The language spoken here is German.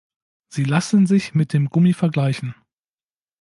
Sie lassen sich mit dem Gummi vergleichen.